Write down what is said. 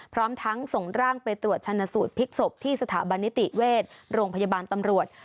พร้อมทั้งส่งร่างไปตรวจชนะสูตรพลิกศพที่สถาบันนิติเวชโรงพยาบาลตำรวจ